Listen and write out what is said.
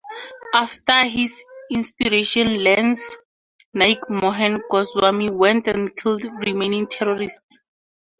After his inspiration Lance Naik Mohan Goswami went and killed remaining terrorists.